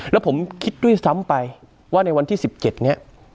แล้วผมคิดด้วยซ้ำไปว่าในวันที่๑๗เนี่ย